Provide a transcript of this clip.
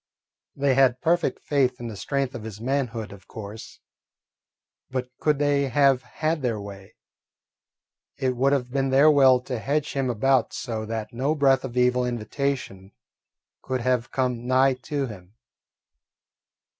They had perfect faith in the strength of his manhood, of course; but could they have had their way, it would have been their will to hedge him about so that no breath of evil invitation could have come nigh to him.